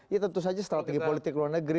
ya tentu saja strategi politik luar negeri